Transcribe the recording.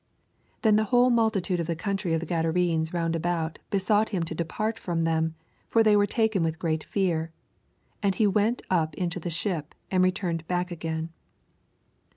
87 Then the whole miiltitndeof the oonntry of the Gadarenes round about bcBOugnt him to depart from them ; for they were taken with ^eat fear : and he went up into the ship, and re turned back again.